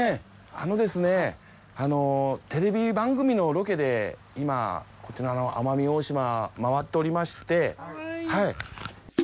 あのですねテレビ番組のロケで今こちらの奄美大島回っておりまして。